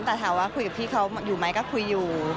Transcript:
แต่ถามว่าคุยกับพี่เขาอยู่ไหมก็คุยอยู่